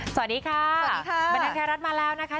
สวัสดีค่ะสวัสดีค่ะมณแครัท์มาแล้วนะคะ